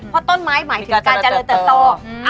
เพราะต้นไม้หมายถึงการเจริญเติบโต